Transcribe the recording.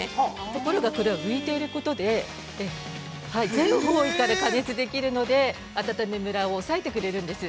ところが、これは浮いていることで、全方位から加熱できるので、温めムラをおさえてくれるんです。